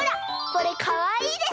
これかわいいでしょ？